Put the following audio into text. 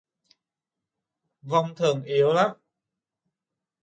vong thường yếu lắm